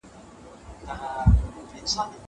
نننۍ نړۍ کې کارونه وېشل سوي دي.